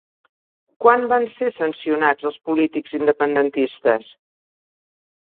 Quan van ser sancionats els polítics independentistes?